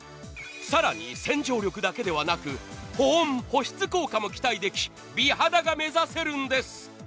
更に、洗浄力だけではなく保温・保湿効果も期待でき、美肌が目指せるんです。